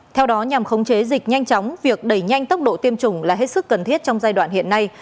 theo đó nhằm khống chế dịch nhanh chóng việc đẩy nhanh tốc độ tiêm chủng là hết sức cần thiết trong giai đoạn hiện nay